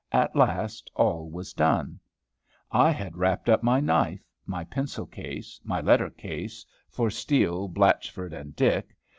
At last all was done. I had wrapped up my knife, my pencil case, my letter case, for Steele, Blatchford, and Dick.